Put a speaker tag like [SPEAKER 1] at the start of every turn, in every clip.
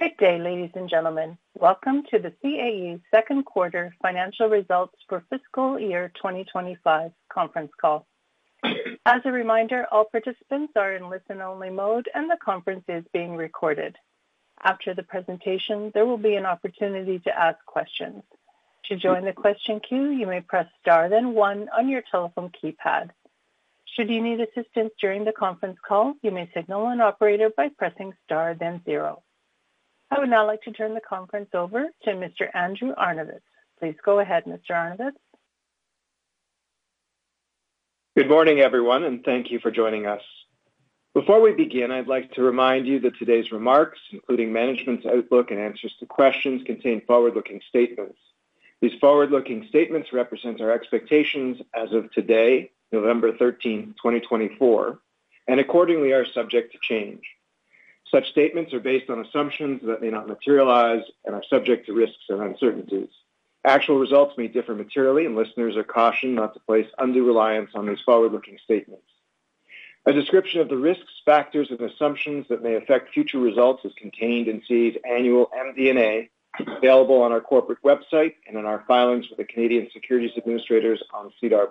[SPEAKER 1] Good day, ladies and gentlemen. Welcome to the CAE second quarter financial results for fiscal year 2025 conference call. As a reminder, all participants are in listen-only mode, and the conference is being recorded. After the presentation, there will be an opportunity to ask questions. To join the question queue, you may press star then one on your telephone keypad. Should you need assistance during the conference call, you may signal an operator by pressing star then zero. I would now like to turn the conference over to Mr. Andrew Arnovitz. Please go ahead, Mr. Arnovitz.
[SPEAKER 2] Good morning, everyone, and thank you for joining us. Before we begin, I'd like to remind you that today's remarks, including management's outlook and answers to questions, contain forward-looking statements. These forward-looking statements represent our expectations as of today, November 13, 2024, and accordingly are subject to change. Such statements are based on assumptions that may not materialize and are subject to risks and uncertainties. Actual results may differ materially, and listeners are cautioned not to place undue reliance on these forward-looking statements. A description of the risks, factors, and assumptions that may affect future results is contained in CAE's annual MD&A available on our corporate website and in our filings with the Canadian Securities Administrators on SEDAR+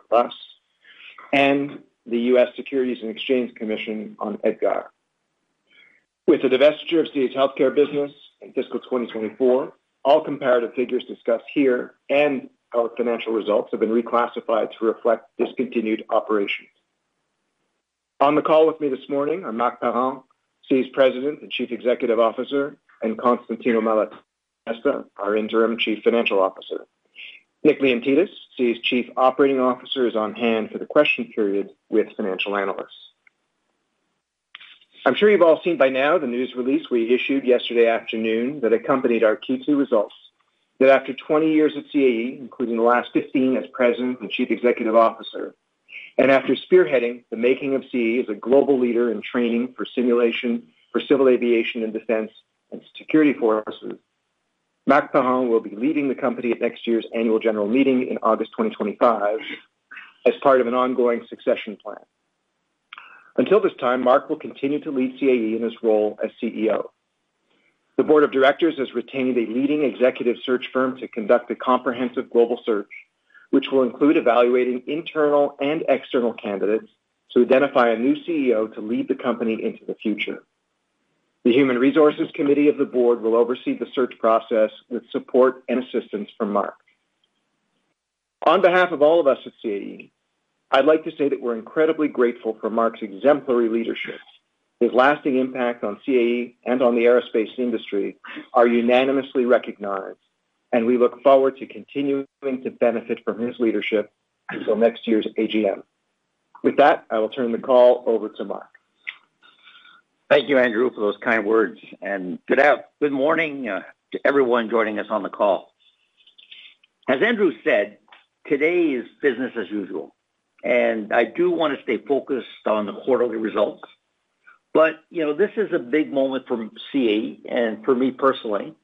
[SPEAKER 2] and the U.S. Securities and Exchange Commission on EDGAR. With the divestiture of CAE's healthcare business in fiscal 2024, all comparative figures discussed here and our financial results have been reclassified to reflect discontinued operations. On the call with me this morning, our Marc Parent, CAE's President and Chief Executive Officer, and Constantino Malatesta, our Interim Chief Financial Officer. Nick Leontidis, CAE's Chief Operating Officer, is on hand for the question period with financial analysts. I'm sure you've all seen by now the news release we issued yesterday afternoon that accompanied our Q2 results that after 20 years at CAE, including the last 15 as President and Chief Executive Officer, and after spearheading the making of CAE as a global leader in training for simulation for civil aviation and defense and security forces, Marc Parent will be leading the company at next year's annual general meeting in August 2025 as part of an ongoing succession plan. Until this time, Marc will continue to lead CAE in his role as CEO. The board of directors has retained a leading executive search firm to conduct a comprehensive global search, which will include evaluating internal and external candidates to identify a new CEO to lead the company into the future. The human resources committee of the board will oversee the search process with support and assistance from Marc. On behalf of all of us at CAE, I'd like to say that we're incredibly grateful for Marc's exemplary leadership. His lasting impact on CAE and on the aerospace industry are unanimously recognized, and we look forward to continuing to benefit from his leadership until next year's AGM. With that, I will turn the call over to Marc.
[SPEAKER 3] Thank you, Andrew, for those kind words, and good morning to everyone joining us on the call. As Andrew said, today is business as usual, and I do want to stay focused on the quarterly results, but this is a big moment for CAE and for me personally,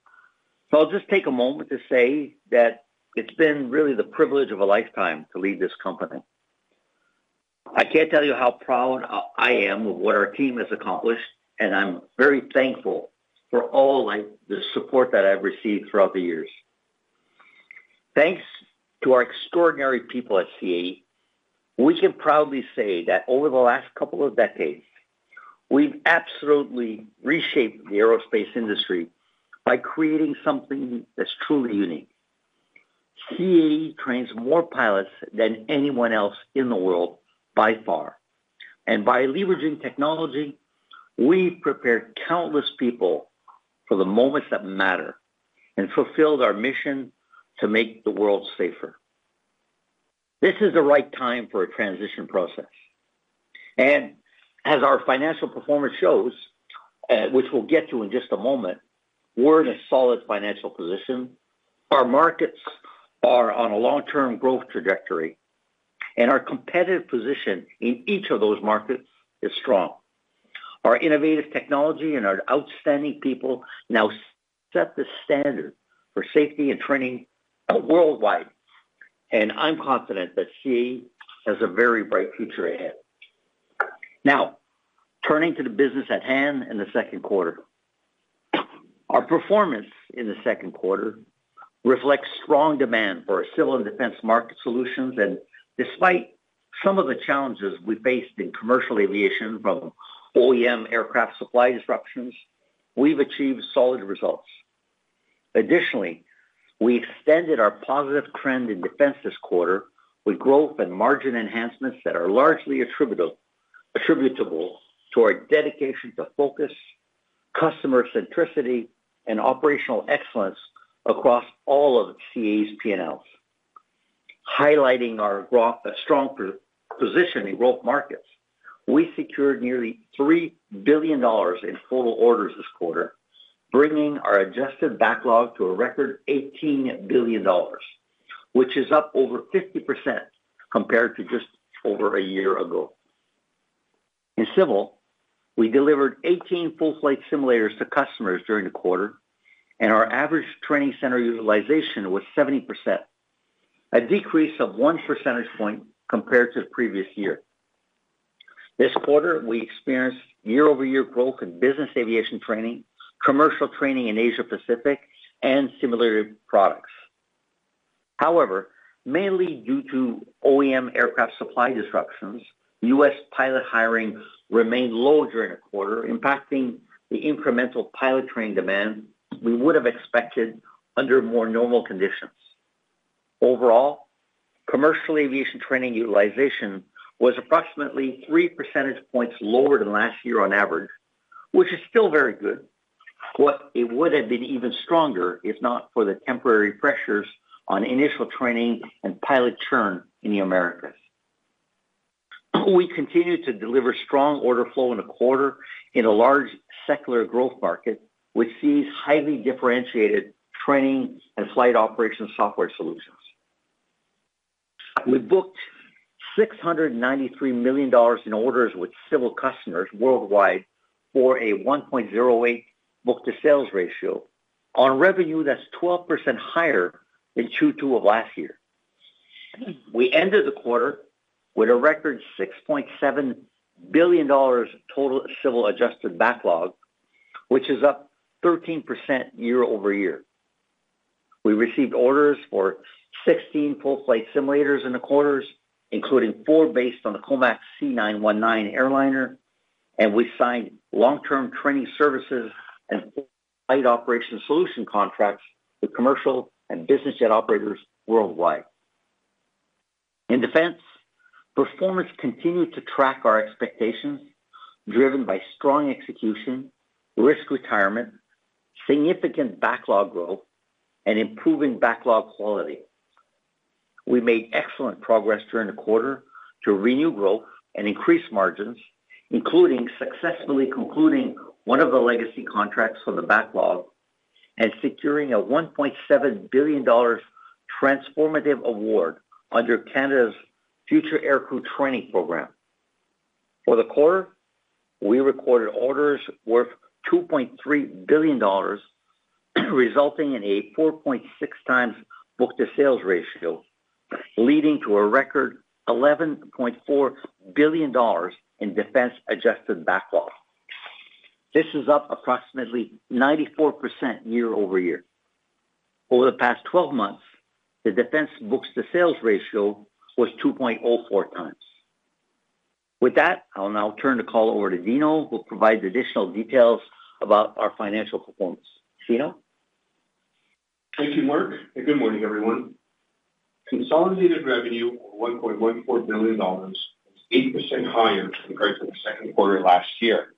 [SPEAKER 3] so I'll just take a moment to say that it's been really the privilege of a lifetime to lead this company. I can't tell you how proud I am of what our team has accomplished, and I'm very thankful for all the support that I've received throughout the years. Thanks to our extraordinary people at CAE, we can proudly say that over the last couple of decades, we've absolutely reshaped the aerospace industry by creating something that's truly unique. CAE trains more pilots than anyone else in the world by far. By leveraging technology, we've prepared countless people for the moments that matter and fulfilled our mission to make the world safer. This is the right time for a transition process. As our financial performance shows, which we'll get to in just a moment, we're in a solid financial position. Our markets are on a long-term growth trajectory, and our competitive position in each of those markets is strong. Our innovative technology and our outstanding people now set the standard for safety and training worldwide. I'm confident that CAE has a very bright future ahead. Now, turning to the business at hand in the second quarter, our performance in the second quarter reflects strong demand for our civil and defense market solutions. Despite some of the challenges we faced in commercial aviation from OEM aircraft supply disruptions, we've achieved solid results. Additionally, we extended our positive trend in defense this quarter with growth and margin enhancements that are largely attributable to our dedication to focus, customer centricity, and operational excellence across all of CAE's P&Ls. Highlighting our strong position in growth markets, we secured nearly 3 billion dollars in total orders this quarter, bringing our adjusted backlog to a record 18 billion dollars, which is up over 50% compared to just over a year ago. In civil, we delivered 18 full-flight simulators to customers during the quarter, and our average training center utilization was 70%, a decrease of one percentage point compared to the previous year. This quarter, we experienced year-over-year growth in business aviation training, commercial training in Asia-Pacific, and simulaion products. However, mainly due to OEM aircraft supply disruptions, U.S. pilot hiring remained low during the quarter, impacting the incremental pilot training demand we would have expected under more normal conditions. Overall, commercial aviation training utilization was approximately three percentage points lower than last year on average, which is still very good, but it would have been even stronger if not for the temporary pressures on initial training and pilot churn in the Americas. We continue to deliver strong order flow in the quarter in a large secular growth market, which sees highly differentiated training and flight operation software solutions. We booked 693 million dollars in orders with civil customers worldwide for a 1.08 book-to-sales ratio on revenue that's 12% higher than Q2 of last year. We ended the quarter with a record 6.7 billion dollars total civil adjusted backlog, which is up 13% year-over-year. We received orders for 16 full-flight simulators in the quarter, including four based on the COMAC C919 airliner, and we signed long-term training services and flight operation solution contracts with commercial and business jet operators worldwide. In defense, performance continued to track our expectations, driven by strong execution, risk retirement, significant backlog growth, and improving backlog quality. We made excellent progress during the quarter to renew growth and increase margins, including successfully concluding one of the legacy contracts from the backlog and securing a 1.7 billion dollars transformative award under Canada's Future Aircrew Training Program. For the quarter, we recorded orders worth 2.3 billion dollars, resulting in a 4.6 times book-to-sales ratio, leading to a record 11.4 billion dollars in defense adjusted backlog. This is up approximately 94% year-over-year. Over the past 12 months, the defense book-to-sales ratio was 2.04 times. With that, I'll now turn the call over to Dino, who will provide additional details about our financial performance. Dino?
[SPEAKER 4] Thank you, Marc. Good morning, everyone. Consolidated revenue of 1.14 billion dollars was 8% higher compared to the second quarter last year,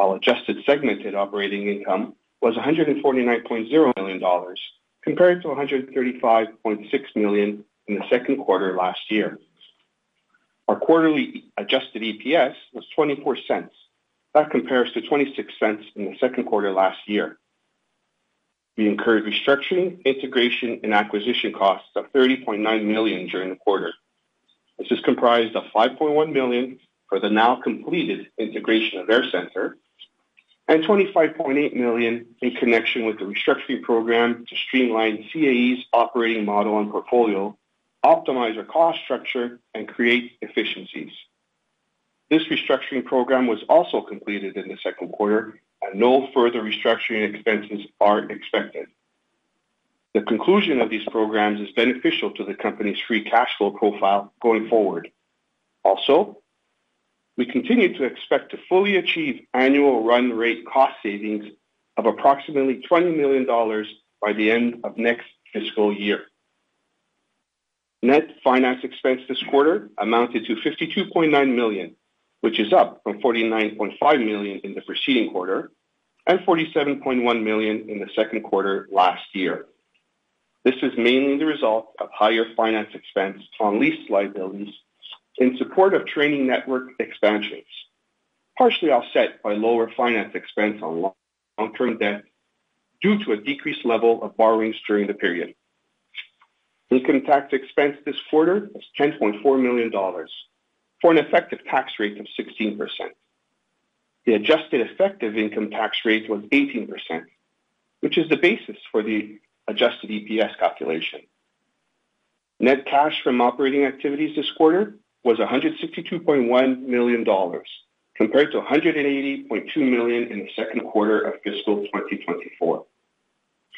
[SPEAKER 4] while adjusted segmented operating income was 149.0 million dollars compared to 135.6 million in the second quarter last year. Our quarterly adjusted EPS was 0.24. That compares to 0.26 in the second quarter last year. We incurred restructuring, integration, and acquisition costs of 30.9 million during the quarter. This is comprised of 5.1 million for the now completed integration of AirCentre and 25.8 million in connection with the restructuring program to streamline CAE's operating model and portfolio, optimize our cost structure, and create efficiencies. This restructuring program was also completed in the second quarter, and no further restructuring expenses are expected. The conclusion of these programs is beneficial to the company's free cash flow profile going forward. Also, we continue to expect to fully achieve annual run rate cost savings of approximately 20 million dollars by the end of next fiscal year. Net finance expense this quarter amounted to 52.9 million, which is up from 49.5 million in the preceding quarter and 47.1 million in the second quarter last year. This is mainly the result of higher finance expense on lease liabilities in support of training network expansions, partially offset by lower finance expense on long-term debt due to a decreased level of borrowings during the period. Income tax expense this quarter was 10.4 million dollars for an effective tax rate of 16%. The adjusted effective income tax rate was 18%, which is the basis for the adjusted EPS calculation. Net cash from operating activities this quarter was 162.1 million dollars compared to 180.2 million in the second quarter of fiscal 2024.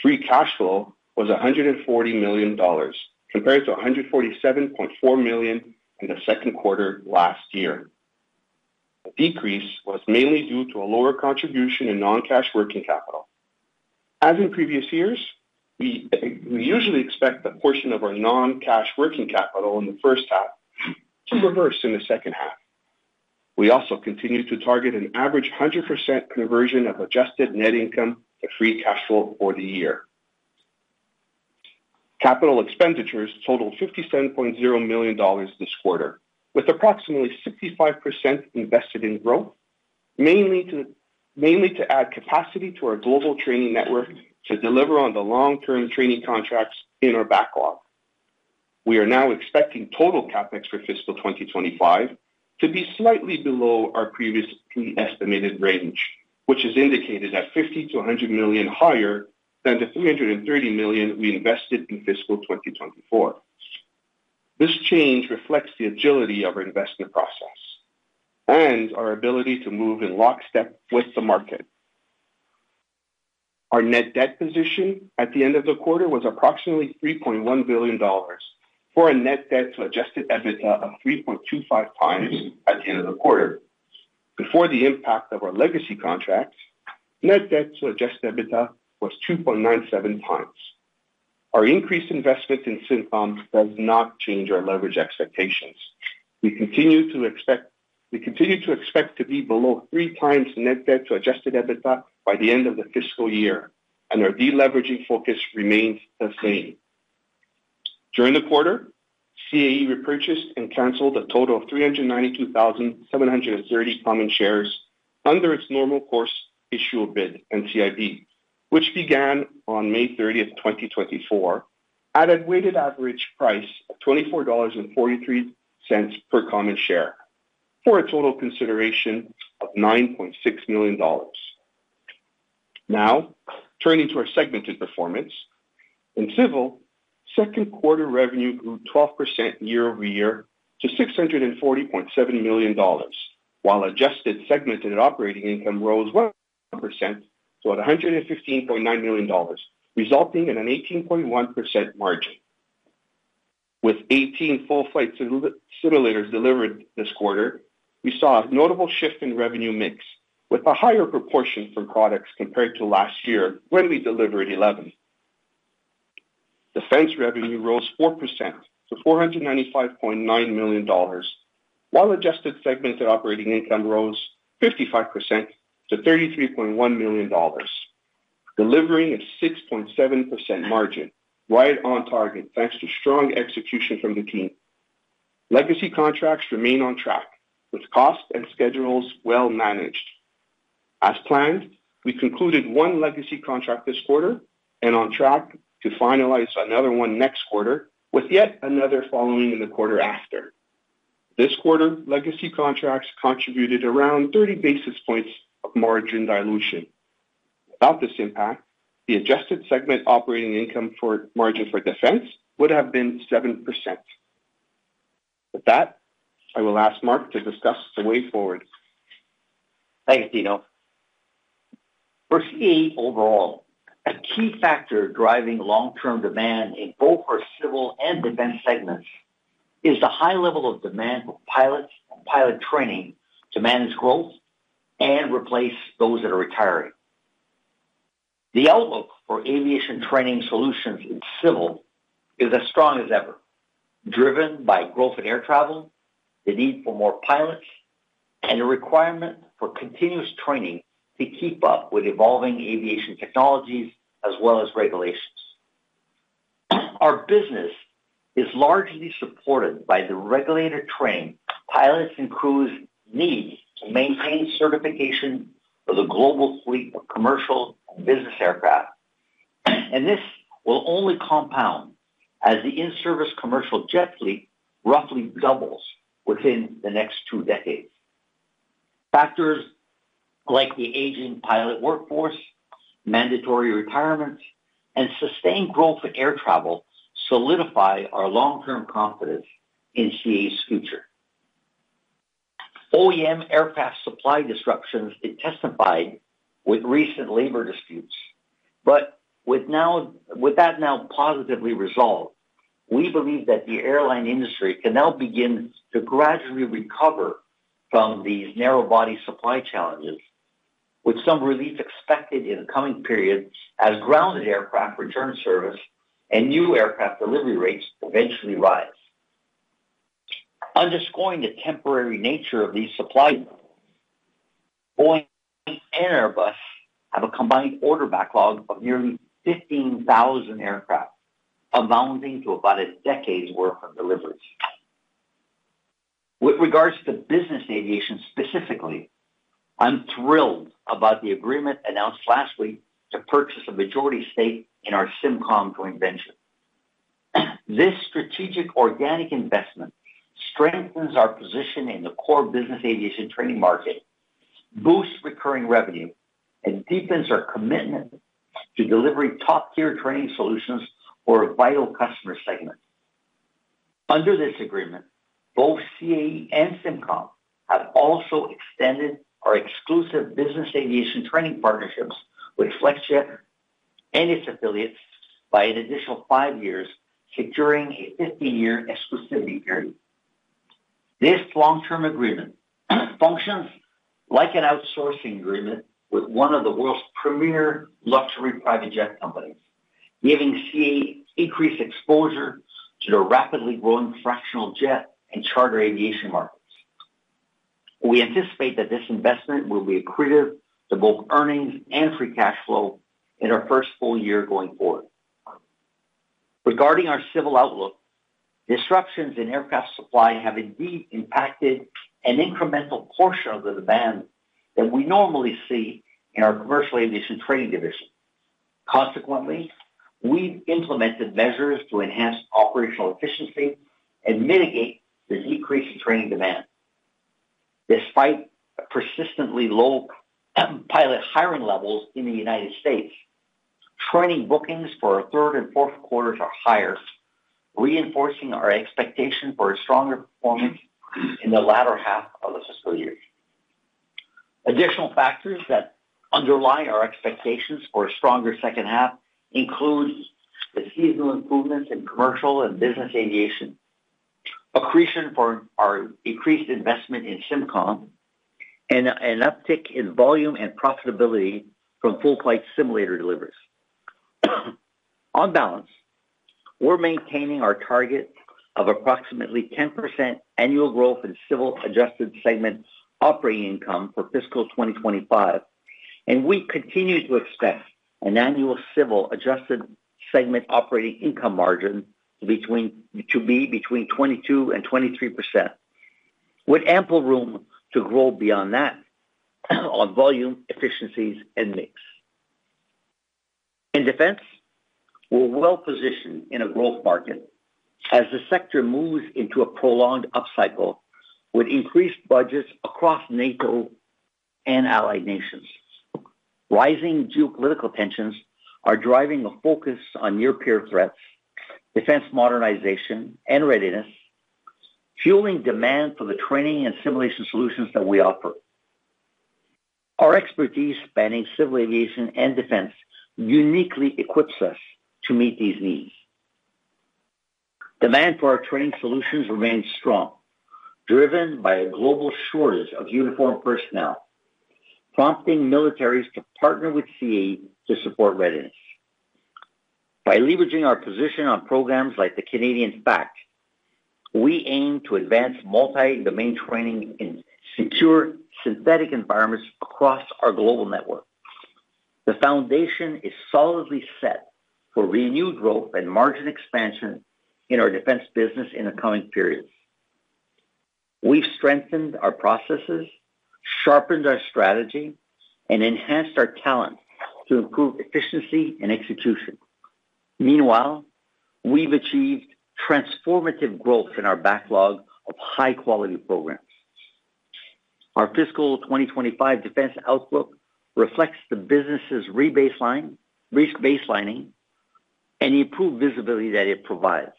[SPEAKER 4] Free cash flow was 140 million dollars compared to 147.4 million in the second quarter last year. The decrease was mainly due to a lower contribution in non-cash working capital. As in previous years, we usually expect the portion of our non-cash working capital in the first half to reverse in the second half. We also continue to target an average 100% conversion of adjusted net income to free cash flow for the year. Capital expenditures totaled 57.0 million dollars this quarter, with approximately 65% invested in growth, mainly to add capacity to our global training network to deliver on the long-term training contracts in our backlog. We are now expecting total CapEx for fiscal 2025 to be slightly below our previously estimated range, which is indicated at 50 to 100 million higher than the 330 million we invested in fiscal 2024. This change reflects the agility of our investment process and our ability to move in lockstep with the market. Our net debt position at the end of the quarter was approximately $3.1 billion for a net debt to adjusted EBITDA of 3.25 times at the end of the quarter. Before the impact of our legacy contracts, net debt to adjusted EBITDA was 2.97 times. Our increased investment in SIMCOM does not change our leverage expectations. We continue to expect to be below three times net debt to adjusted EBITDA by the end of the fiscal year, and our deleveraging focus remains the same. During the quarter, CAE repurchased and canceled a total of 392,730 common shares under its normal course issuer bid NCIB, which began on May 30, 2024, at a weighted average price of $24.43 per common share for a total consideration of $9.6 million. Now, turning to our segmented performance. In civil, second quarter revenue grew 12% year-over-year to 640.7 million dollars, while adjusted segmented operating income rose 1% to 115.9 million dollars, resulting in an 18.1% margin. With 18 full-flight simulators delivered this quarter, we saw a notable shift in revenue mix, with a higher proportion for products compared to last year when we delivered 11. Defense revenue rose 4% to 495.9 million dollars, while adjusted segmented operating income rose 55% to 33.1 million dollars, delivering a 6.7% margin, right on target, thanks to strong execution from the team. Legacy contracts remain on track, with costs and schedules well managed. As planned, we concluded one legacy contract this quarter and on track to finalize another one next quarter with yet another following in the quarter after. This quarter, legacy contracts contributed around 30 basis points of margin dilution. Without this impact, the adjusted segment operating income margin for defense would have been 7%. With that, I will ask Marc to discuss the way forward.
[SPEAKER 3] Thanks, Dino. For CAE overall, a key factor driving long-term demand in both our civil and defense segments is the high level of demand for pilots and pilot training to manage growth and replace those that are retiring. The outlook for aviation training solutions in civil is as strong as ever, driven by growth in air travel, the need for more pilots, and the requirement for continuous training to keep up with evolving aviation technologies as well as regulations. Our business is largely supported by the regulatory training pilots and crews need to maintain certification for the global fleet of commercial and business aircraft, and this will only compound as the in-service commercial jet fleet roughly doubles within the next two decades. Factors like the aging pilot workforce, mandatory retirements, and sustained growth in air travel solidify our long-term confidence in CAE's future. OEM aircraft supply disruptions intensified with recent labor disputes, but with that now positively resolved, we believe that the airline industry can now begin to gradually recover from these narrow-body supply challenges, with some relief expected in the coming period as grounded aircraft return service and new aircraft delivery rates eventually rise. Underscoring the temporary nature of these supply burdens, OEM and Airbus have a combined order backlog of nearly 15,000 aircraft, amounting to about a decade's worth of deliveries. With regards to business aviation specifically, I'm thrilled about the agreement announced last week to purchase a majority stake in our SIMCOM joint venture. This strategic organic investment strengthens our position in the core business aviation training market, boosts recurring revenue, and deepens our commitment to delivering top-tier training solutions for a vital customer segment. Under this agreement, both CAE and SIMCOM have also extended our exclusive business aviation training partnerships with Flexjet and its affiliates by an additional five years, securing a 15-year exclusivity period. This long-term agreement functions like an outsourcing agreement with one of the world's premier luxury private jet companies, giving CAE increased exposure to the rapidly growing fractional jet and charter aviation markets. We anticipate that this investment will be accretive to both earnings and free cash flow in our first full year going forward. Regarding our civil outlook, disruptions in aircraft supply have indeed impacted an incremental portion of the demand that we normally see in our commercial aviation training division. Consequently, we've implemented measures to enhance operational efficiency and mitigate the decrease in training demand. Despite persistently low pilot hiring levels in the United States, training bookings for our third and fourth quarters are higher, reinforcing our expectation for a stronger performance in the latter half of the fiscal year. Additional factors that underlie our expectations for a stronger second half include the seasonal improvements in commercial and business aviation, accretion for our increased investment in SIMCOM, and an uptick in volume and profitability from full-flight simulator deliveries. On balance, we're maintaining our target of approximately 10% annual growth in civil adjusted segment operating income for fiscal 2025, and we continue to expect an annual civil adjusted segment operating income margin to be between 22% and 23%, with ample room to grow beyond that on volume, efficiencies, and mix. In defense, we're well positioned in a growth market as the sector moves into a prolonged upcycle with increased budgets across NATO and allied nations. Rising geopolitical tensions are driving a focus on near-peer threats, defense modernization, and readiness, fueling demand for the training and simulation solutions that we offer. Our expertise spanning civil aviation and defense uniquely equips us to meet these needs. Demand for our training solutions remains strong, driven by a global shortage of uniformed personnel, prompting militaries to partner with CAE to support readiness. By leveraging our position on programs like the Canadian FAcT, we aim to advance multi-domain training in secure synthetic environments across our global network. The foundation is solidly set for renewed growth and margin expansion in our defense business in the coming period. We've strengthened our processes, sharpened our strategy, and enhanced our talent to improve efficiency and execution. Meanwhile, we've achieved transformative growth in our backlog of high-quality programs. Our fiscal 2025 defense outlook reflects the business's risk baselining and the improved visibility that it provides.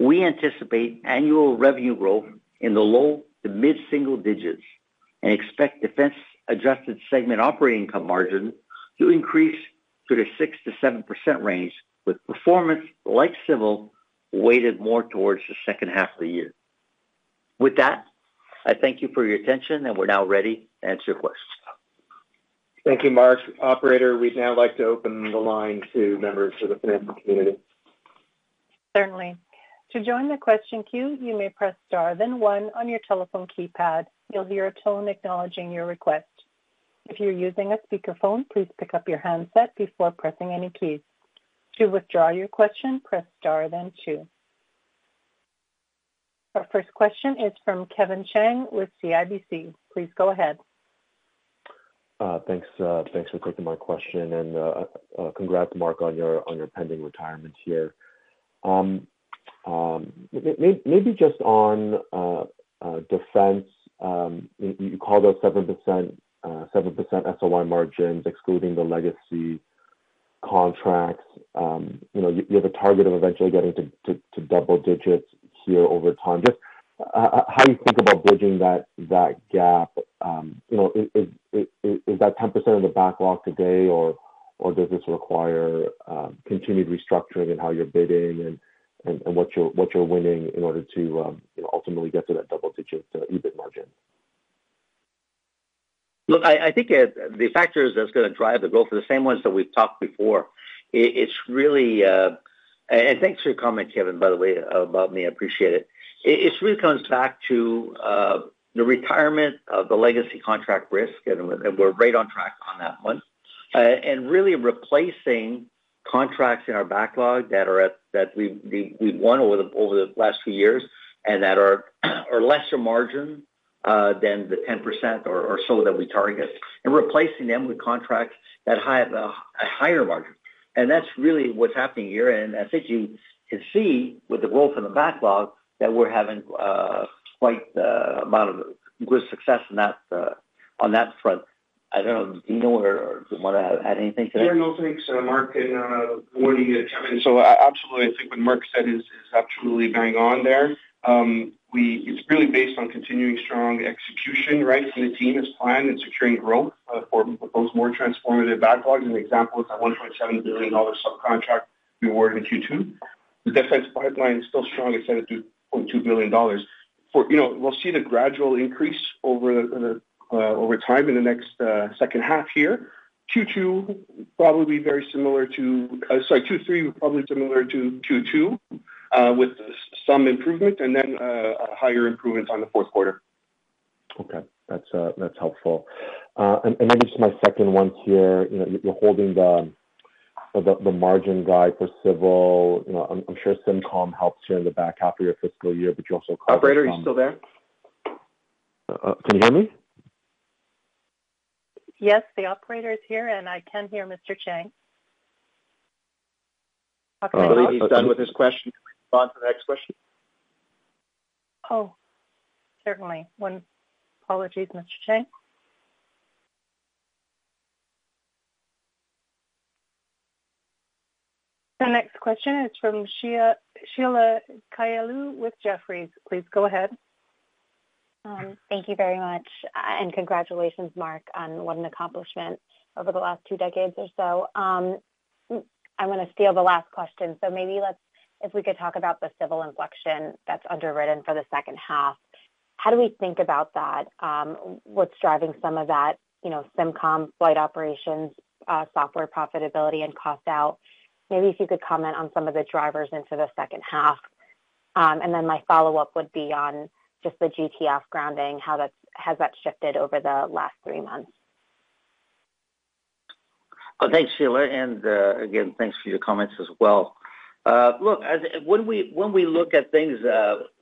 [SPEAKER 3] We anticipate annual revenue growth in the low to mid-single digits and expect defense adjusted segment operating income margin to increase to the 6%-7% range, with performance like civil weighted more towards the second half of the year. With that, I thank you for your attention, and we're now ready to answer your questions.
[SPEAKER 2] Thank you, Marc. Operator, we'd now like to open the line to members of the financial community.
[SPEAKER 1] Certainly. To join the question queue, you may press star then one on your telephone keypad. You'll hear a tone acknowledging your request. If you're using a speakerphone, please pick up your handset before pressing any keys. To withdraw your question, press star then two. Our first question is from Kevin Chiang with CIBC. Please go ahead.
[SPEAKER 5] Thanks for taking my question, and congrats, Marc, on your pending retirement here. Maybe just on defense, you called out 7% SOI margins excluding the legacy contracts. You have a target of eventually getting to double digits here over time. Just how you think about bridging that gap? Is that 10% of the backlog today, or does this require continued restructuring in how you're bidding and what you're winning in order to ultimately get to that double-digit EBIT margin?
[SPEAKER 3] Look, I think the factors that's going to drive the growth are the same ones that we've talked before. And thanks for your comment, Kevin, by the way, about me. I appreciate it. It really comes back to the retirement of the legacy contract risk, and we're right on track on that one, and really replacing contracts in our backlog that we've won over the last few years and that are lesser margin than the 10% or so that we target, and replacing them with contracts that have a higher margin. And that's really what's happening here, and I think you can see with the growth in the backlog that we're having quite a good success on that front. I don't know, Dino, or do you want to add anything to that?
[SPEAKER 4] Yeah, no thanks, Marc. And good morning, Kevin. So absolutely, I think what Marc said is absolutely bang on there. It's really based on continuing strong execution, right, from the team as planned and securing growth for both more transformative backlogs. An example is a 1.7 billion dollar subcontract we awarded in Q2. The defense pipeline is still strong. It's set at 2.2 billion dollars. We'll see the gradual increase over time in the next second half here. Q2 will probably be very similar to—sorry, Q3 will probably be similar to Q2 with some improvement and then a higher improvement on the fourth quarter.
[SPEAKER 5] Okay. That's helpful. And maybe just my second one here. You're holding the margin guidance for civil. I'm sure SIMCOM helps you in the back half of your fiscal year, but you also-
[SPEAKER 2] Operator, are you still there? Can you hear me?
[SPEAKER 1] Yes, the operator is here, and I can hear Mr. Chiang.
[SPEAKER 2] I believe he's done with his question. Can we move on to the next question?
[SPEAKER 1] Oh, certainly. Apologies, Mr. Chiang. The next question is from Sheila Kahyaoglu with Jefferies. Please go ahead.
[SPEAKER 6] Thank you very much, and congratulations, Marc, on what an accomplishment over the last two decades or so. I'm going to steal the last question. So maybe if we could talk about the civil inflection that's underwritten for the second half, how do we think about that? What's driving some of that SIMCOM flight operations, software profitability, and cost out? Maybe if you could comment on some of the drivers into the second half. And then my follow-up would be on just the GTF grounding, how has that shifted over the last three months?
[SPEAKER 3] Thanks, Sheila. And again, thanks for your comments as well. Look, when we look at things,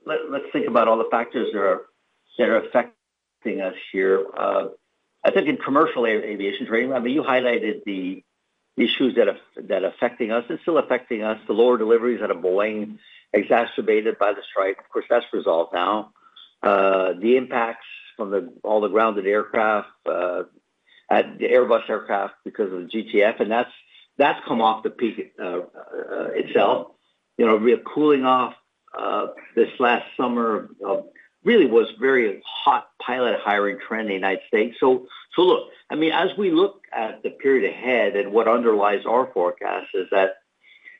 [SPEAKER 3] let's think about all the factors that are affecting us here. I think in commercial aviation training, I mean, you highlighted the issues that are affecting us. It's still affecting us. The lower deliveries that are Boeing's exacerbated by the strike. Of course, that's resolved now. The impacts from all the grounded aircraft, the Airbus aircraft because of the GTF, and that's come off the peak itself. We have cooling off this last summer of really was very hot pilot hiring trend in the United States. So look, I mean, as we look at the period ahead and what underlies our forecast is that,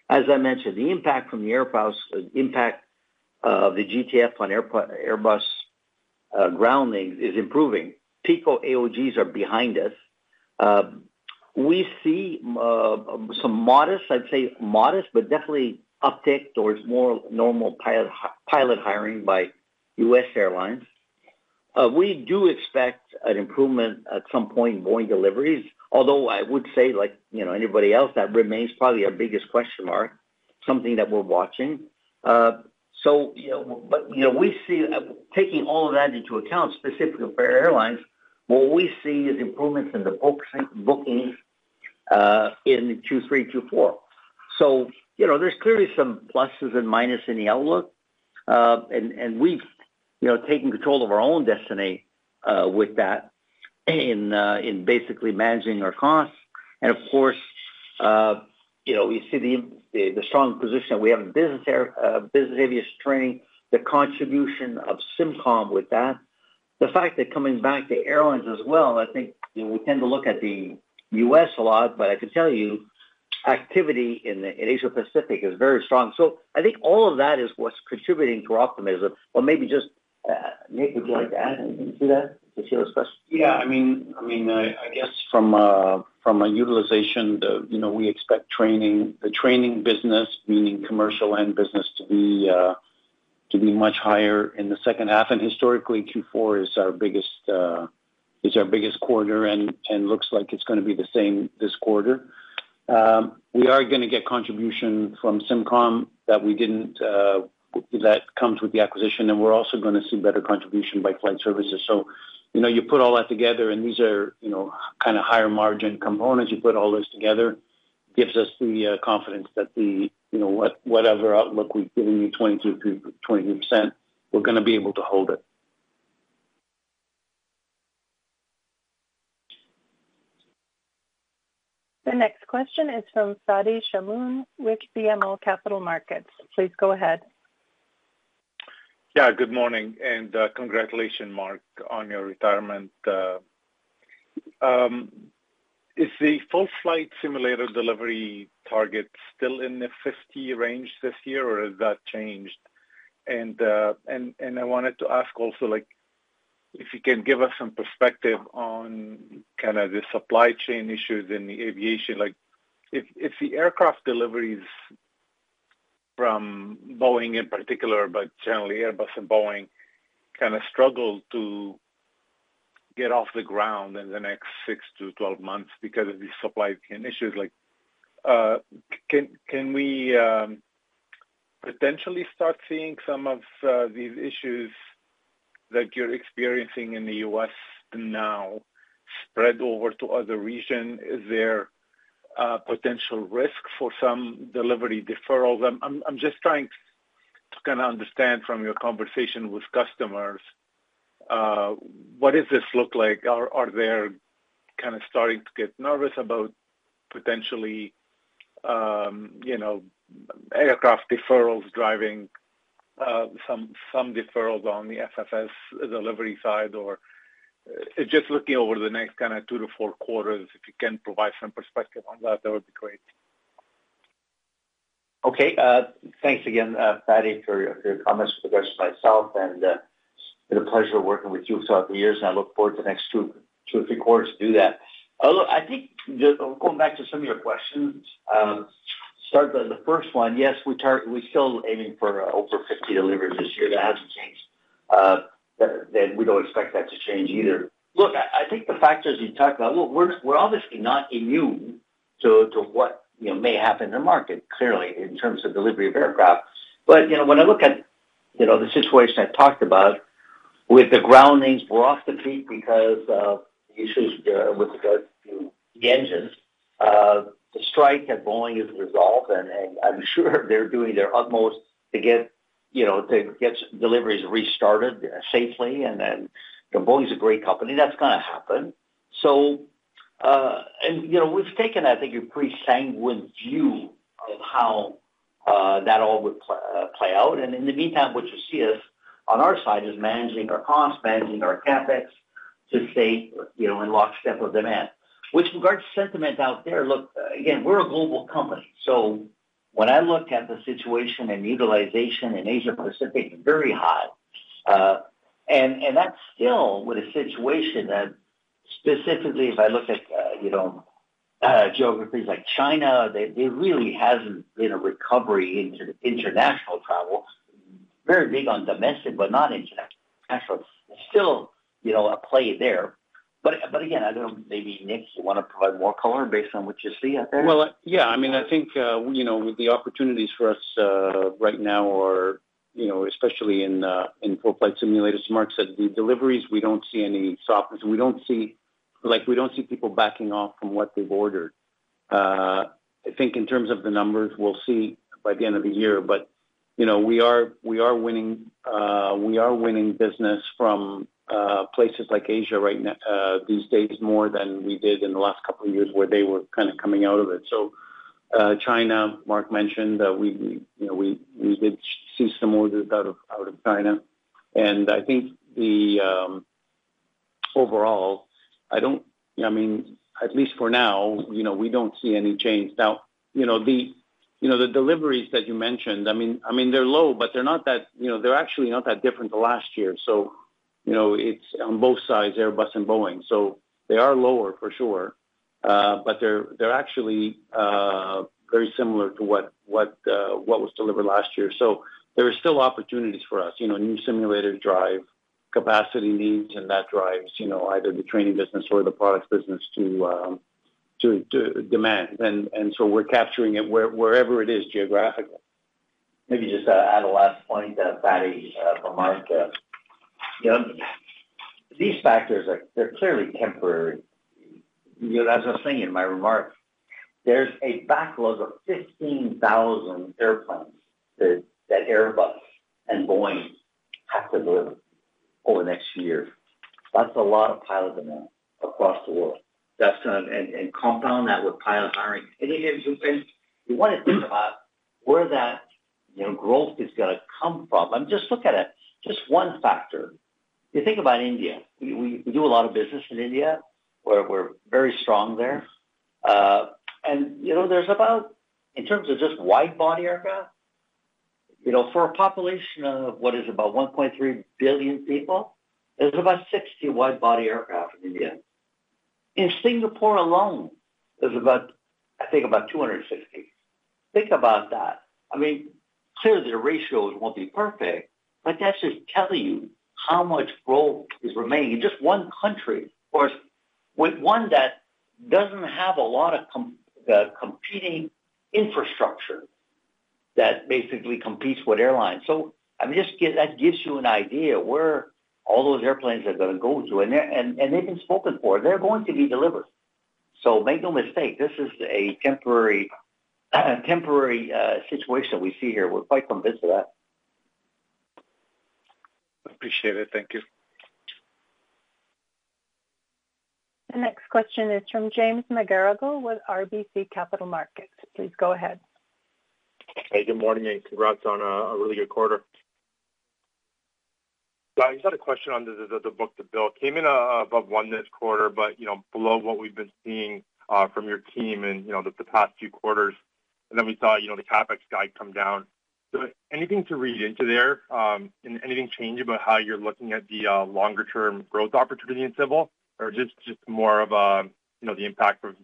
[SPEAKER 3] as I mentioned, the impact from the aircraft, the impact of the GTF on Airbus grounding is improving. Peak AOGs are behind us. We see some modest, I'd say modest, but definitely uptick towards more normal pilot hiring by U.S. airlines. We do expect an improvement at some point in Boeing deliveries, although I would say, like anybody else, that remains probably our biggest question mark, something that we're watching. But we see, taking all of that into account specifically for airlines, what we see is improvements in the bookings in Q3, Q4. So there's clearly some pluses and minuses in the outlook, and we've taken control of our own destiny with that in basically managing our costs. And of course, we see the strong position that we have in business aviation training, the contribution of SIMCOM with that. The fact that coming back to airlines as well, I think we tend to look at the U.S. a lot, but I can tell you activity in Asia-Pacific is very strong. So I think all of that is what's contributing to our optimism. Well, maybe just Nick, would you like to add anything to that? It's Sheila's question.
[SPEAKER 7] Yeah. I mean, I guess from a utilization, we expect the training business, meaning commercial and business, to be much higher in the second half, and historically, Q4 is our biggest quarter, and it looks like it's going to be the same this quarter. We are going to get contribution from SIMCOM that comes with the acquisition, and we're also going to see better contribution by flight services, so you put all that together, and these are kind of higher margin components. You put all those together, it gives us the confidence that whatever outlook we've given you, 22%, we're going to be able to hold it.
[SPEAKER 1] The next question is from Fadi Shamoun with BMO Capital Markets. Please go ahead.
[SPEAKER 8] Yeah. Good morning, and congratulations, Marc, on your retirement. Is the full-flight simulator delivery target still in the 50 range this year, or has that changed? And I wanted to ask also if you can give us some perspective on kind of the supply chain issues in the aviation. If the aircraft deliveries from Boeing in particular, but generally Airbus and Boeing, kind of struggle to get off the ground in the next 6-12 months because of these supply chain issues, can we potentially start seeing some of these issues that you're experiencing in the U.S. now spread over to other regions? Is there potential risk for some delivery deferrals? I'm just trying to kind of understand from your conversation with customers, what does this look like? Are they kind of starting to get nervous about potentially aircraft deferrals driving some deferrals on the FFS delivery side? Or, just looking over the next kind of two to four quarters, if you can provide some perspective on that, that would be great.
[SPEAKER 3] Okay. Thanks again, Fadi, for your comments with regards to myself, and it's been a pleasure working with you for several years, and I look forward to the next two or three quarters to do that. I think going back to some of your questions, start with the first one. Yes, we're still aiming for over 50 deliveries this year. That hasn't changed. We don't expect that to change either. Look, I think the factors you talked about, we're obviously not immune to what may happen in the market, clearly, in terms of delivery of aircraft. But when I look at the situation I talked about with the groundings, we're off the peak because of the issues with the engines. The strike at Boeing is resolved, and I'm sure they're doing their utmost to get deliveries restarted safely, and Boeing's a great company. That's going to happen. We've taken, I think, a pretty sanguine view of how that all would play out. In the meantime, what you see on our side is managing our costs, managing our CapEx to stay in lockstep with demand. With regards to sentiment out there, look, again, we're a global company. So when I look at the situation and utilization in Asia-Pacific, very high. And that's still with a situation that specifically, if I look at geographies like China, there really hasn't been a recovery in international travel. Very big on domestic, but not international. It's still a play there. But again, I don't know. Maybe Nick, you want to provide more color based on what you see out there?
[SPEAKER 7] Yeah. I mean, I think the opportunities for us right now are, especially in full-flight simulators. Marc said the deliveries; we don't see any slowdown. We don't see people backing off from what they've ordered. I think in terms of the numbers, we'll see by the end of the year. But we are winning business from places like Asia these days more than we did in the last couple of years where they were kind of coming out of it. So China, Marc mentioned, we did see some orders out of China. And I think overall, I mean, at least for now, we don't see any change. Now, the deliveries that you mentioned, I mean, they're low, but they're actually not that different than last year. So it's on both sides, Airbus and Boeing. So they are lower for sure, but they're actually very similar to what was delivered last year. So there are still opportunities for us. New simulator-driven capacity needs, and that drives either the training business or the products business to demand. And so we're capturing it wherever it is geographically.
[SPEAKER 3] Maybe just add a last point, Fadi, from Marc. These factors, they're clearly temporary. As I was saying in my remarks, there's a backlog of 15,000 airplanes that Airbus and Boeing have to deliver over the next year. That's a lot of pilot demand across the world. And compound that with pilot hiring. And again, you want to think about where that growth is going to come from. I mean, just look at it. Just one factor. You think about India. We do a lot of business in India. We're very strong there. And there's about, in terms of just wide-body aircraft, for a population of what is about 1.3 billion people, there's about 60 wide-body aircraft in India. In Singapore alone, there's about, I think, about 260. Think about that. I mean, clearly, the ratios won't be perfect, but that's just telling you how much growth is remaining. Just one country, of course, one that doesn't have a lot of competing infrastructure that basically competes with airlines, so I mean, that gives you an idea where all those airplanes are going to go to, and they've been spoken for. They're going to be delivered, so make no mistake, this is a temporary situation we see here. We're quite convinced of that.
[SPEAKER 8] Appreciate it. Thank you.
[SPEAKER 1] The next question is from James McGarragle with RBC Capital Markets. Please go ahead.
[SPEAKER 9] Hey, good morning, and congrats on a really good quarter. He's got a question on the book-to-bill. Came in above one this quarter, but below what we've been seeing from your team in the past few quarters. And then we saw the CapEx guidance come down. Anything to read into there? Anything change about how you're looking at the longer-term growth opportunity in civil? Or just more of the impact of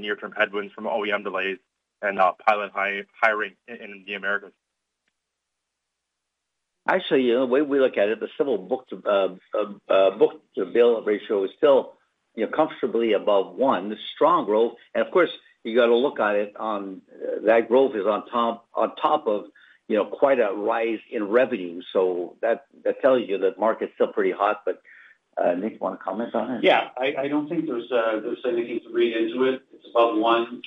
[SPEAKER 9] near-term headwinds from OEM delays and pilot hiring in the Americas?
[SPEAKER 3] Actually, the way we look at it, the civil book-to-bill ratio is still comfortably above one. Strong growth. And of course, you got to look at it on that growth is on top of quite a rise in revenue. So that tells you that the market's still pretty hot. But Nick, you want to comment on it?
[SPEAKER 7] Yeah. I don't think there's anything to read into it. It's above one.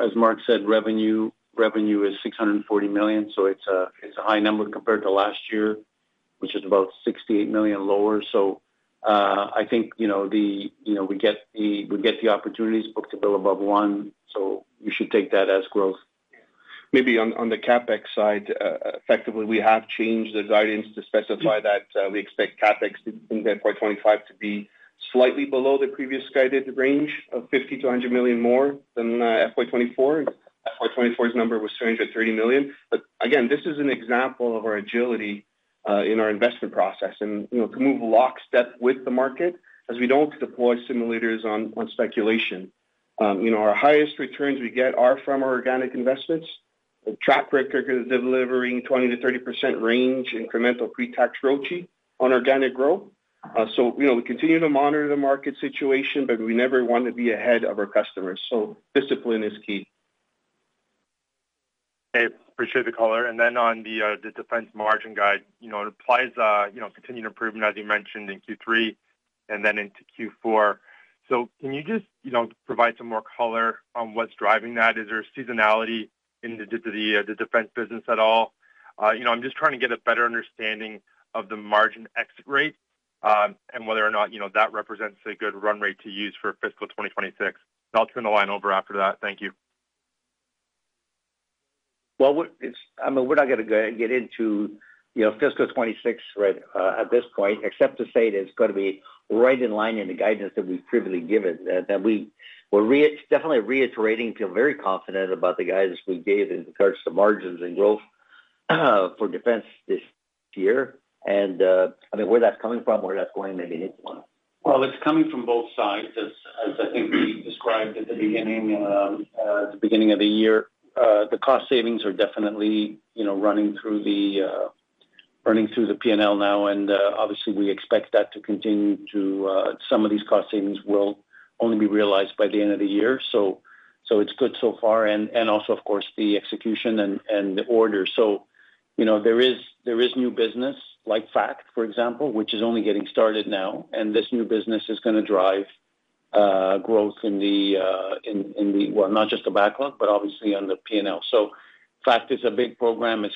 [SPEAKER 7] As Marc said, revenue is 640 million. So it's a high number compared to last year, which is about 68 million lower. So I think we get the opportunities, book-to-bill above one. So you should take that as growth.
[SPEAKER 8] Maybe on the CapEx side, effectively, we have changed the guidance to specify that we expect CapEx in FY25 to be slightly below the previous guided range of 50 million-100 million more than FY24. FY24's number was 330 million. But again, this is an example of our agility in our investment process and to move lockstep with the market as we don't deploy simulators on speculation. Our highest returns we get are from our organic investments. Track record of delivering 20%-30% range incremental pre-tax ROCE on organic growth. So we continue to monitor the market situation, but we never want to be ahead of our customers. So discipline is key.
[SPEAKER 9] Hey, appreciate the color. And then on the defense margin guide, it implies continued improvement, as you mentioned, in Q3 and then into Q4. So can you just provide some more color on what's driving that? Is there seasonality in the defense business at all? I'm just trying to get a better understanding of the margin exit rate and whether or not that represents a good run rate to use for fiscal 2026. I'll turn the line over after that. Thank you.
[SPEAKER 3] I mean, we're not going to get into fiscal 2026 at this point, except to say that it's going to be right in line in the guidance that we've previously given. We're definitely reiterating to feel very confident about the guidance we gave in regards to margins and growth for defense this year. I mean, where that's coming from, where that's going, maybe Nick wants.
[SPEAKER 7] It's coming from both sides, as I think we described at the beginning of the year. The cost savings are definitely running through the P&L now, and obviously, we expect that to continue, too. Some of these cost savings will only be realized by the end of the year, so it's good so far, and also, of course, the execution and the order. There is new business, like FACT, for example, which is only getting started now. This new business is going to drive growth in the, well, not just the backlog, but obviously on the P&L. FACT is a big program. As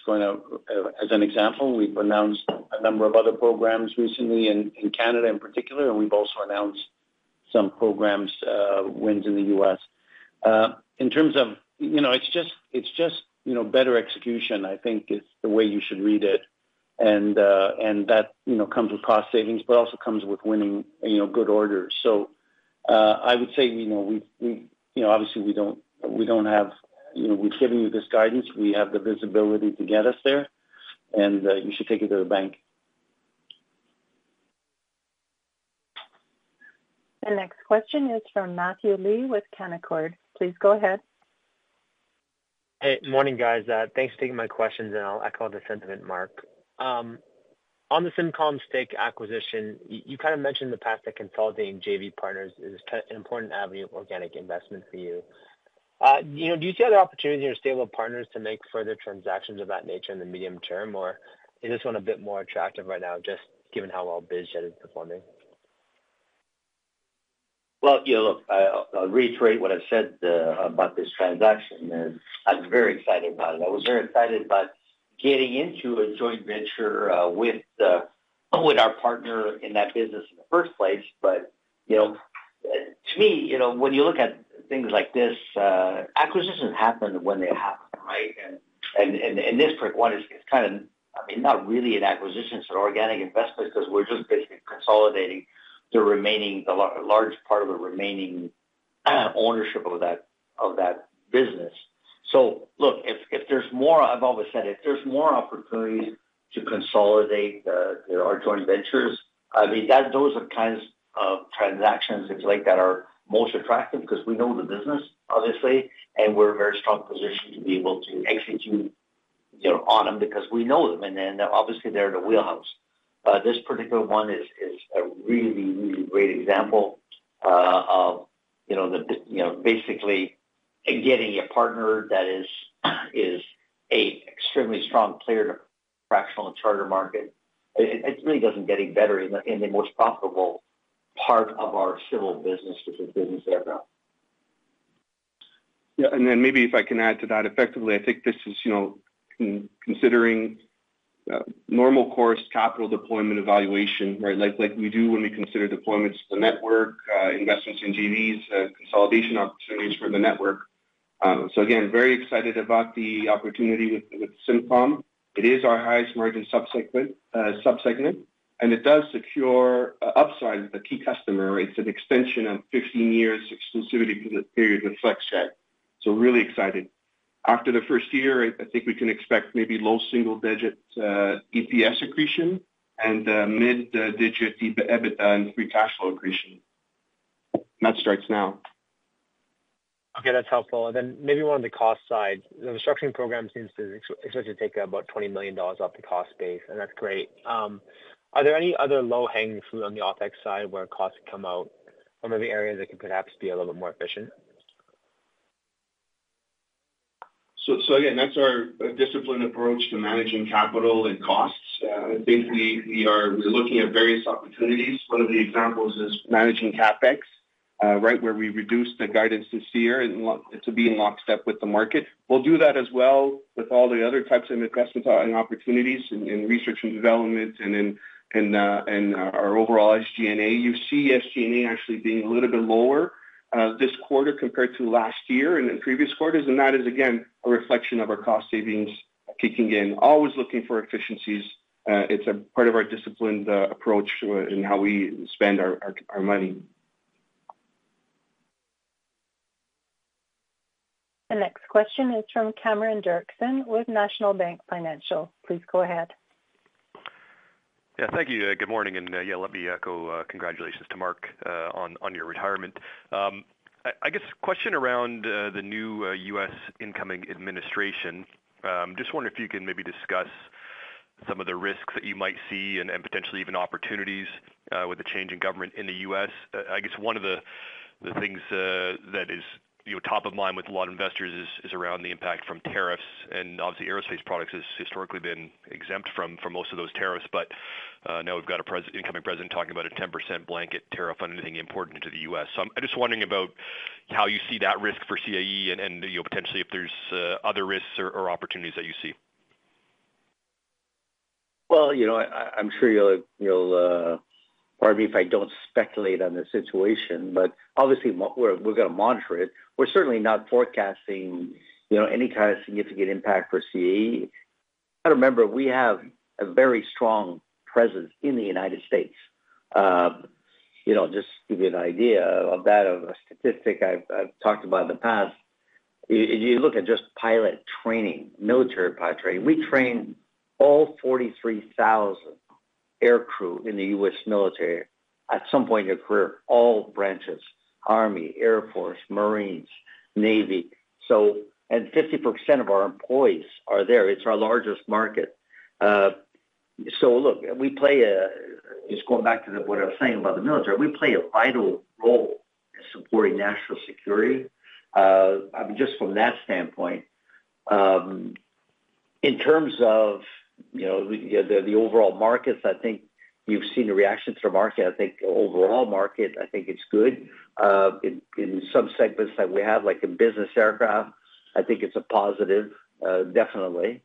[SPEAKER 7] an example, we've announced a number of other programs recently in Canada in particular, and we've also announced some programs, wins in the US. In terms of, it's just better execution, I think, is the way you should read it. That comes with cost savings, but also comes with winning good orders. I would say, obviously, we've given you this guidance. We have the visibility to get us there. You should take it to the bank.
[SPEAKER 1] The next question is from Matthew Lee with Canaccord. Please go ahead.
[SPEAKER 10] Hey, good morning, guys. Thanks for taking my questions, and I'll echo the sentiment, Marc. On the SIMCOM acquisition, you kind of mentioned in the past that consolidating JV partners is an important avenue of organic investment for you. Do you see other opportunities or stable partners to make further transactions of that nature in the medium term, or is this one a bit more attractive right now, just given how well BizJet is performing?
[SPEAKER 3] Look, I'll reiterate what I've said about this transaction. I'm very excited about it. I was very excited about getting into a joint venture with our partner in that business in the first place. But to me, when you look at things like this, acquisitions happen when they happen, right? And this particular one is kind of, I mean, not really an acquisition, it's an organic investment because we're just basically consolidating the large part of the remaining ownership of that business. So look, if there's more I've always said, if there's more opportunities to consolidate our joint ventures, I mean, those are kinds of transactions, if you like, that are most attractive because we know the business, obviously, and we're in a very strong position to be able to execute on them because we know them. And then obviously, they're in a wheelhouse. This particular one is a really, really great example of basically getting a partner that is an extremely strong player in the fractional charter market. It really doesn't get any better in the most profitable part of our civil business, which is business aircraft.
[SPEAKER 7] Yeah. And then maybe if I can add to that, effectively, I think this is considering normal course, capital deployment evaluation, right, like we do when we consider deployments to the network, investments in GVs, consolidation opportunities for the network. So again, very excited about the opportunity with SIMCOM. It is our highest margin subsegment. And it does secure upside with a key customer. It's an extension of 15 years exclusivity period with Flexjet. So really excited. After the first year, I think we can expect maybe low single-digit EPS accretion and mid-digit EBITDA and free cash flow accretion. That starts now.
[SPEAKER 10] Okay. That's helpful. And then maybe one of the cost sides. The construction program seems to expect to take about 20 million dollars off the cost base, and that's great. Are there any other low-hanging fruit on the OpEx side where costs come out from the areas that could perhaps be a little bit more efficient?
[SPEAKER 3] So again, that's our disciplined approach to managing capital and costs. I think we are looking at various opportunities. One of the examples is managing CapEx, right, where we reduced the guidance this year to be in lockstep with the market. We'll do that as well with all the other types of investment opportunities in research and development and in our overall SG&A. You see SG&A actually being a little bit lower this quarter compared to last year and in previous quarters. And that is, again, a reflection of our cost savings kicking in. Always looking for efficiencies. It's a part of our disciplined approach in how we spend our money.
[SPEAKER 1] The next question is from Cameron Doerksen with National Bank Financial. Please go ahead.
[SPEAKER 11] Yeah. Thank you. Good morning. And yeah, let me echo congratulations to Marc on your retirement. I guess, question around the new U.S. incoming administration. Just wondering if you can maybe discuss some of the risks that you might see and potentially even opportunities with a change in government in the U.S. I guess one of the things that is top of mind with a lot of investors is around the impact from tariffs. And obviously, aerospace products has historically been exempt from most of those tariffs. But now we've got an incoming president talking about a 10% blanket tariff on anything imported to the U.S. So I'm just wondering about how you see that risk for CAE and potentially if there's other risks or opportunities that you see.
[SPEAKER 3] I'm sure you'll pardon me if I don't speculate on the situation, but obviously, we're going to monitor it. We're certainly not forecasting any kind of significant impact for CAE. I remember we have a very strong presence in the United States. Just to give you an idea of that, of a statistic I've talked about in the past, you look at just pilot training, military pilot training. We train all 43,000 air crew in the U.S. military at some point in their career, all branches: Army, Air Force, Marines, Navy. And 50% of our employees are there. It's our largest market. So look, we play a, just going back to what I was saying about the military, we play a vital role in supporting national security, I mean, just from that standpoint. In terms of the overall markets, I think you've seen the reaction to the market. I think the overall market, I think it's good. In some segments that we have, like in business aircraft, I think it's a positive, definitely.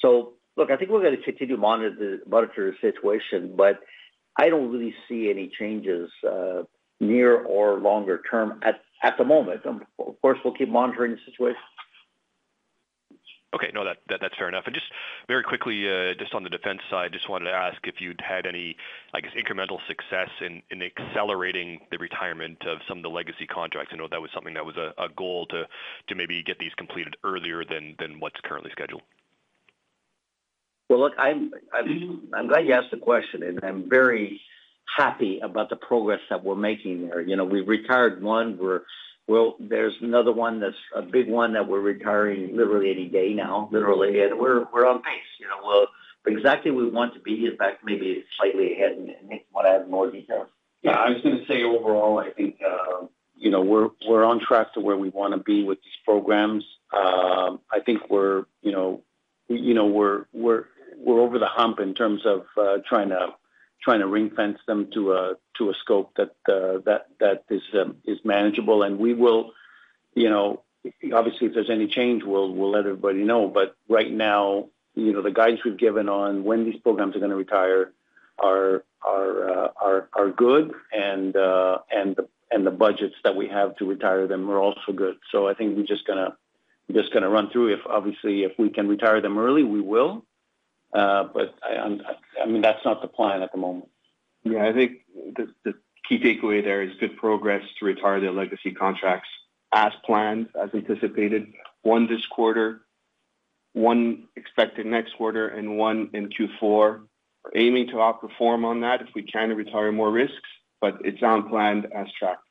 [SPEAKER 3] So look, I think we're going to continue to monitor the situation, but I don't really see any changes near or longer term at the moment. Of course, we'll keep monitoring the situation.
[SPEAKER 11] Okay. No, that's fair enough. And just very quickly, just on the defense side, just wanted to ask if you'd had any, I guess, incremental success in accelerating the retirement of some of the legacy contracts. I know that was something that was a goal to maybe get these completed earlier than what's currently scheduled.
[SPEAKER 3] Look, I'm glad you asked the question, and I'm very happy about the progress that we're making there. We've retired one. There's another one that's a big one that we're retiring literally any day now, literally. We're on pace. Exactly where we want to be. In fact, maybe slightly ahead. Nick might have more details.
[SPEAKER 7] Yeah. I was going to say overall, I think we're on track to where we want to be with these programs. I think we're over the hump in terms of trying to ring-fence them to a scope that is manageable. And we will, obviously, if there's any change, we'll let everybody know. But right now, the guidance we've given on when these programs are going to retire are good. And the budgets that we have to retire them are also good. So I think we're just going to run through. Obviously, if we can retire them early, we will. But I mean, that's not the plan at the moment. Yeah. I think the key takeaway there is good progress to retire the legacy contracts as planned, as anticipated. One this quarter, one expected next quarter, and one in Q4. We're aiming to outperform on that if we can retire more risks, but it's on plan as tracked.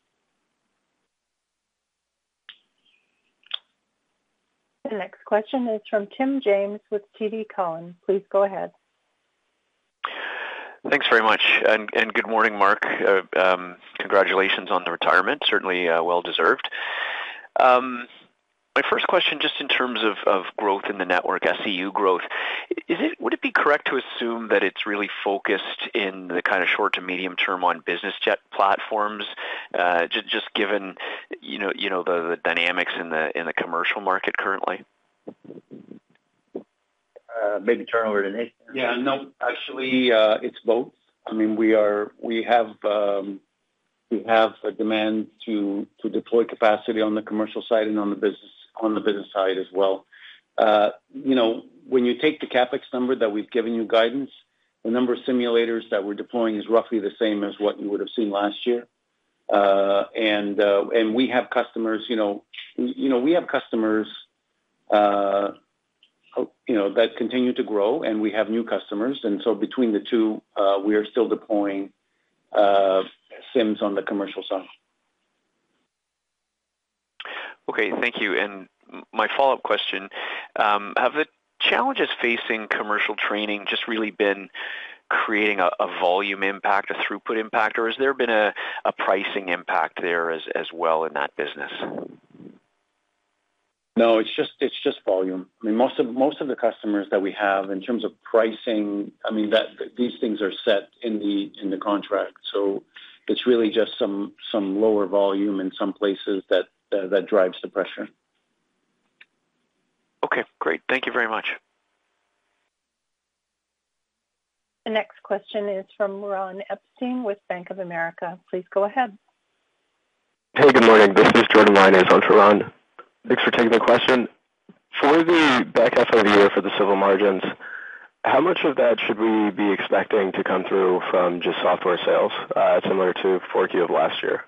[SPEAKER 1] The next question is from Tim James with TD Cowen. Please go ahead.
[SPEAKER 12] Thanks very much, and good morning, Marc. Congratulations on the retirement. Certainly well-deserved. My first question, just in terms of growth in the network, SEU growth, would it be correct to assume that it's really focused in the kind of short to medium term on business jet platforms, just given the dynamics in the commercial market currently?
[SPEAKER 3] Maybe turn over to Nick.
[SPEAKER 7] Yeah. No, actually, it's both. I mean, we have a demand to deploy capacity on the commercial side and on the business side as well. When you take the CapEx number that we've given you guidance, the number of simulators that we're deploying is roughly the same as what you would have seen last year. And we have customers that continue to grow, and we have new customers. And so between the two, we are still deploying SIMs on the commercial side.
[SPEAKER 12] Okay. Thank you. And my follow-up question, have the challenges facing commercial training just really been creating a volume impact, a throughput impact, or has there been a pricing impact there as well in that business?
[SPEAKER 3] No, it's just volume. I mean, most of the customers that we have in terms of pricing, I mean, these things are set in the contract. So it's really just some lower volume in some places that drives the pressure.
[SPEAKER 12] Okay. Great. Thank you very much.
[SPEAKER 1] The next question is from Ron Epstein with Bank of America. Please go ahead.
[SPEAKER 13] Hey, good morning. This is Jordan Reiners on for Ron. Thanks for taking the question. For the back half of the year for the civil margins, how much of that should we be expecting to come through from just software sales, similar to Q4 of last year?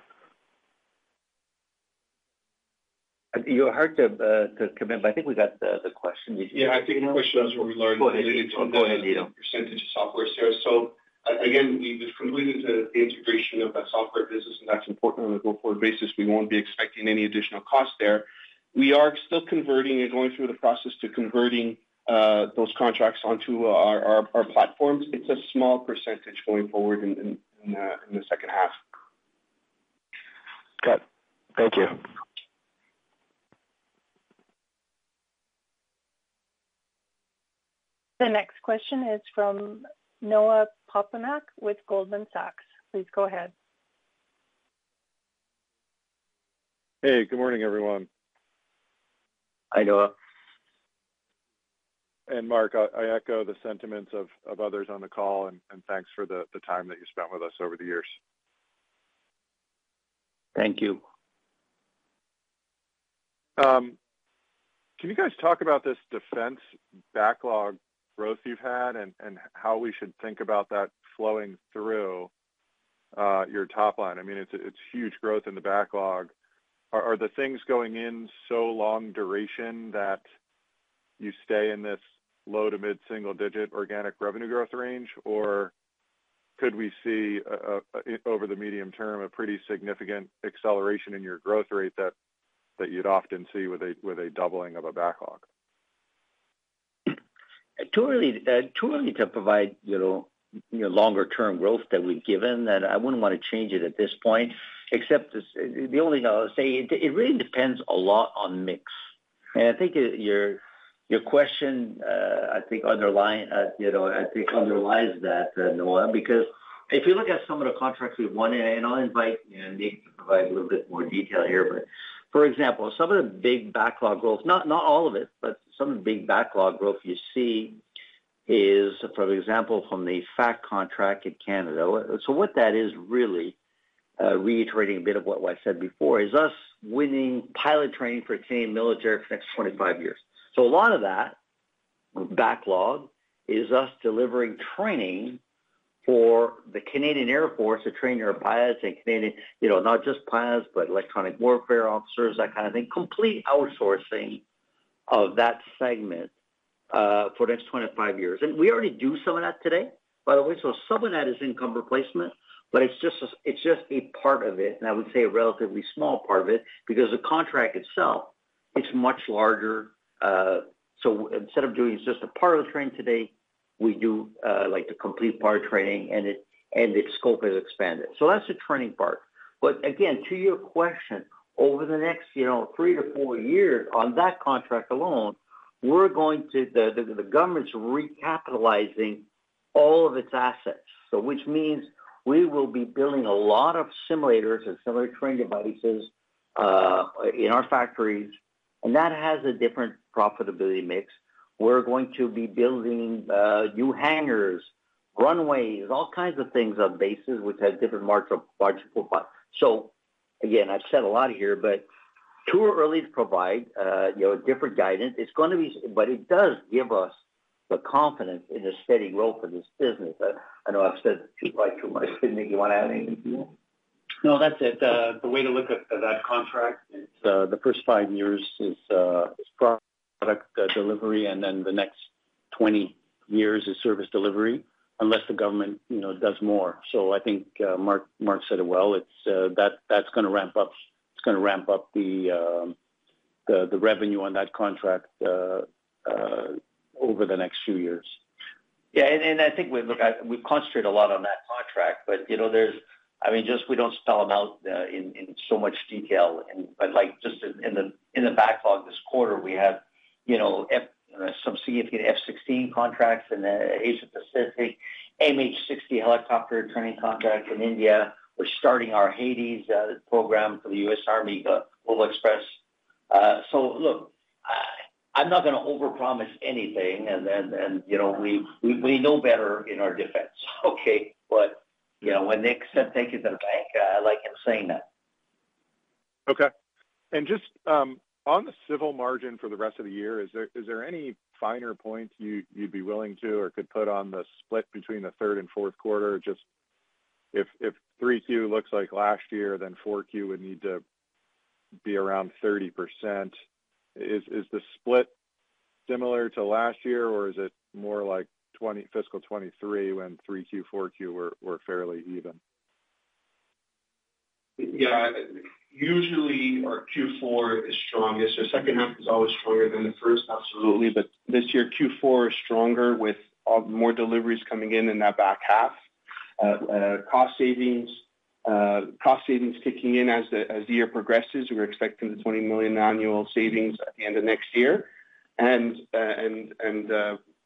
[SPEAKER 3] You're hard to hear, but I think we got the question.
[SPEAKER 4] Yeah. I think the question is what we learned related to the percentage of software sales. So again, we've completed the integration of that software business, and that's important on a go-forward basis. We won't be expecting any additional cost there. We are still converting and going through the process of converting those contracts onto our platforms. It's a small percentage going forward in the second half.
[SPEAKER 13] Got it. Thank you.
[SPEAKER 1] The next question is from Noah Poponak with Goldman Sachs. Please go ahead.
[SPEAKER 14] Hey, good morning, everyone.
[SPEAKER 3] Hi, Noah.
[SPEAKER 14] Marc, I echo the sentiments of others on the call, and thanks for the time that you spent with us over the years.
[SPEAKER 3] Thank you.
[SPEAKER 14] Can you guys talk about this defense backlog growth you've had and how we should think about that flowing through your top line? I mean, it's huge growth in the backlog. Are the things going in so long duration that you stay in this low- to mid-single-digit organic revenue growth range, or could we see over the medium term a pretty significant acceleration in your growth rate that you'd often see with a doubling of a backlog?
[SPEAKER 3] too early to provide longer-term growth that we've given, and I wouldn't want to change it at this point, except the only thing I'll say, it really depends a lot on mix. I think your question, I think, underlies that, Noah, because if you look at some of the contracts we've won, and I'll invite Nick to provide a little bit more detail here. But for example, some of the big backlog growth, not all of it, but some of the big backlog growth you see is, for example, from the FACT contract in Canada. So what that is really, reiterating a bit of what I said before, is us winning pilot training for Canadian military for the next 25 years. So a lot of that backlog is us delivering training for the Canadian Air Force to train your pilots and Canadian, not just pilots, but electronic warfare officers, that kind of thing, complete outsourcing of that segment for the next 25 years. And we already do some of that today, by the way. So some of that is income replacement, but it's just a part of it. And I would say a relatively small part of it because the contract itself, it's much larger. So instead of doing just a part of the training today, we do the complete part training, and its scope has expanded. So that's the training part. But again, to your question, over the next three to four years on that contract alone, we're going to the government's recapitalizing all of its assets, which means we will be building a lot of simulators and similar training devices in our factories. And that has a different profitability mix. We're going to be building new hangars, runways, all kinds of things on bases which have different marginal profile. So again, I've said a lot here, but too early to provide different guidance. It's going to be, but it does give us the confidence in a steady growth of this business. I know I've said too much to Nick. You want to add anything to that?
[SPEAKER 7] No, that's it. The way to look at that contract, it's the first five years is product delivery, and then the next 20 years is service delivery unless the government does more. So I think Marc said it well. That's going to ramp up the revenue on that contract over the next few years.
[SPEAKER 3] Yeah. And I think we've concentrated a lot on that contract. But I mean, just we don't spell them out in so much detail. But just in the backlog this quarter, we have some significant F-16 contracts in Asia-Pacific, MH-60 helicopter training contracts in India. We're starting our HADES program for the U.S. Army, the Global Express. So look, I'm not going to overpromise anything, and we know better in our defense. Okay. But when Nick said thank you to the bank, I like him saying that.
[SPEAKER 14] Okay. And just on the civil margin for the rest of the year, is there any finer points you'd be willing to or could put on the split between the third and fourth quarter? Just if 3Q looks like last year, then 4Q would need to be around 30%. Is the split similar to last year, or is it more like fiscal 2023 when 3Q, 4Q were fairly even?
[SPEAKER 3] Yeah. Usually, our Q4 is strongest. The second half is always stronger than the first, absolutely. But this year, Q4 is stronger with more deliveries coming in in that back half. Cost savings kicking in as the year progresses. We're expecting the 20 million annual savings at the end of next year, and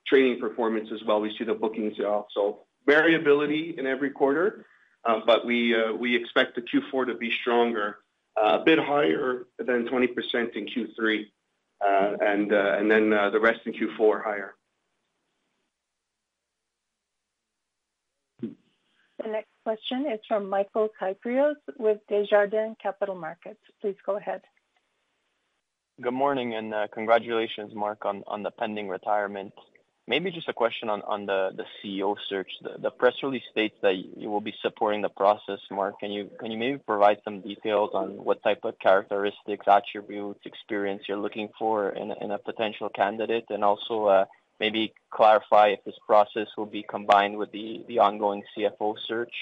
[SPEAKER 3] training performance as well. We see the bookings also variability in every quarter, but we expect the Q4 to be stronger, a bit higher than 20% in Q3, and then the rest in Q4 higher.
[SPEAKER 1] The next question is from Michael Caranci with Desjardins Capital Markets. Please go ahead. Good morning, and congratulations, Marc, on the pending retirement. Maybe just a question on the CEO search. The press release states that you will be supporting the process, Marc. Can you maybe provide some details on what type of characteristics, attributes, experience you're looking for in a potential candidate? And also maybe clarify if this process will be combined with the ongoing CFO search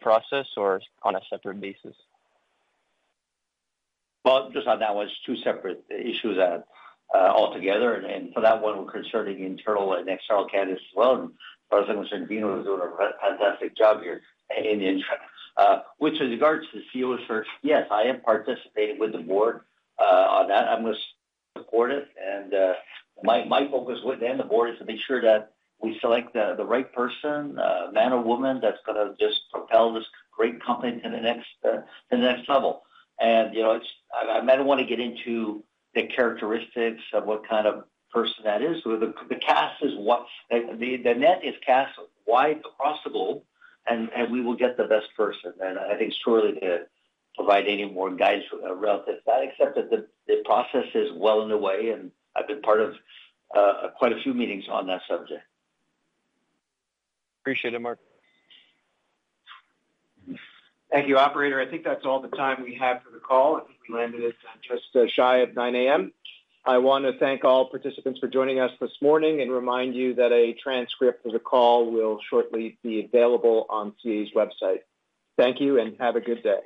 [SPEAKER 1] process or on a separate basis?
[SPEAKER 3] Just on that one, it's two separate issues altogether. For that one, we're considering internal and external candidates as well. Constantino is doing a fantastic job here in the interim. With regards to the CEO search, yes, I am participating with the board on that. I'm going to support it. My focus within the board is to make sure that we select the right person, man or woman, that's going to just propel this great company to the next level. I might want to get into the characteristics of what kind of person that is. The net is cast wide across the globe, and we will get the best person. I think surely to provide any more guidance relative to that, except that the process is well underway, and I've been part of quite a few meetings on that subject. Appreciate it, Marc.
[SPEAKER 1] Thank you, operator. I think that's all the time we have for the call. I think we landed at just shy of 9:00 A.M. I want to thank all participants for joining us this morning and remind you that a transcript of the call will shortly be available on CAE's website. Thank you, and have a good day.